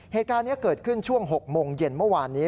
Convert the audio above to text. เหตุการณ์นี้เกิดขึ้นช่วง๖โมงเย็นเมื่อวานนี้